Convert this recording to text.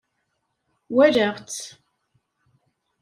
Walaɣ-tt.